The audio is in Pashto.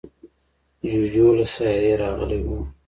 جوجو له سیارې راغلی و.